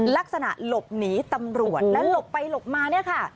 ลักษณะหลบหนีตำรวจและหลบไปหลบมาเนี่ยค่ะ